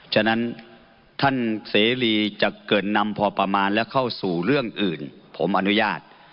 ฉะนั้นท่านเสรีจะเกิดนำพอประมาณและเข้าสู่เรื่องอื่นผมอนุญาต